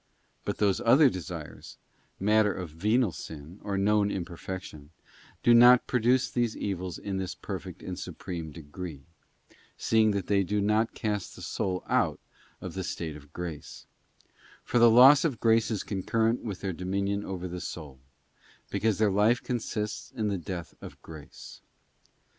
But those other desires, matter of venial sin, or known imperfection, do not produce these evils in this perfect and supreme degree, seeing that they do not cast the soul out of the state of grace: for the loss of grace is concurrent with their dominion over the soul, because their life consists in the death of grace.